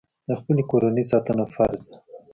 د خپلې کورنۍ ساتنه فرض ده.